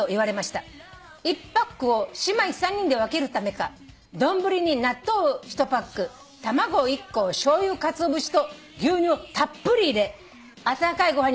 「１パックを姉妹３人で分けるためか丼に納豆１パック卵１個しょうゆかつお節と牛乳をたっぷり入れ温かいご飯にかけて食べるのです」